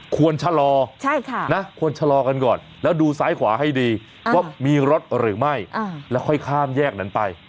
ควรชะลอควรชะลอกันก่อนแล้วดูซ้ายขวาให้ดีว่ามีรถหรือไม่แล้วค่อยข้ามแยกนั้นไป